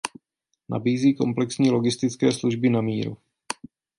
Nabízí komplexní logistické služby na míru.